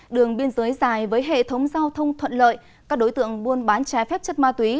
đường biên giới dài với hệ thống giao thông thuận lợi các đối tượng buôn bán trái phép chất ma túy